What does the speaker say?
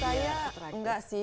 saya enggak sih